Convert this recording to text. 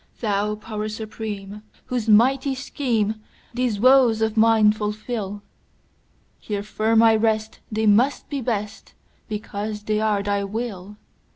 Thou Power Supreme, whose mighty schemeThese woes of mine fulfil, Here firm I rest; they must be best, Because they are Thy will!